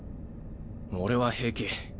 俺は平気。